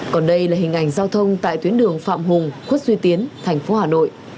còn đây là hình ảnh giao thông tại tuyến đường phạm hùng khuất duy tiến thành phố hà nội